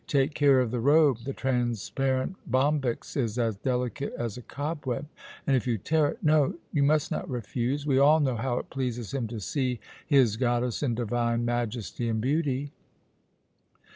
Take care of the robe. The transparent bombyx is as delicate as a cobweb, and if you tear it No, you must not refuse. We all know how it pleases him to see his goddess in divine majesty and beauty."